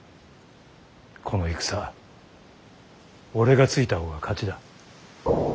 この戦俺がついた方が勝ちだ。